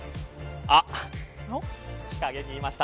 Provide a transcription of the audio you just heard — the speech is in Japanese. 日陰にいました。